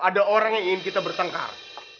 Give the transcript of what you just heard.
ada orang yang ingin kita bertengkar